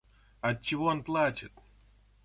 — Отчего он плачет?